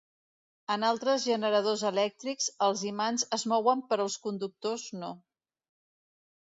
En altres generadors elèctrics, els imants es mouen però els conductors no.